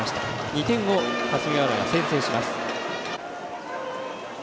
２点を霞ヶ浦が先制します。